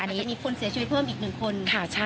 อันนี้มีคนเสียชีวิตเพิ่มอีก๑คน